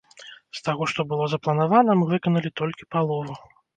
З таго, што было запланавана, мы выканалі толькі палову.